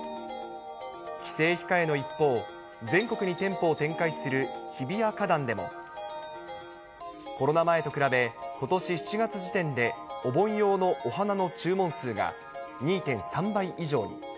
帰省控えの一方、全国に店舗を展開する日比谷花壇でも、コロナ前と比べ、ことし７月時点で、お盆用のお花の注文数が２．３倍以上に。